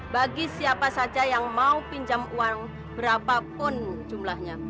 bagi siapa saja yang mau pinjam uang berapapun jumlahnya